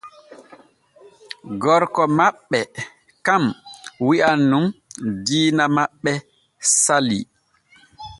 Gorko maɓɓe kan wi’an nun diina maɓɓe salii.